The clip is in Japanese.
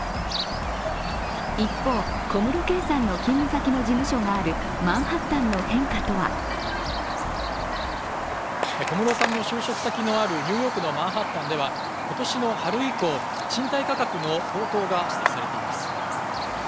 一方、小室圭さんの勤務先の事務所があるマンハッタンの変化とは小室さんの就職先にあるニューヨークのマンハッタンでは今年の春以降、賃貸価格の高騰が指摘されています。